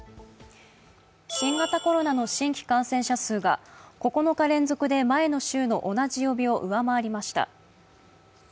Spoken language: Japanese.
新型コロナの新規感染者数が９日連続で前の週と同じ曜日を上回りました。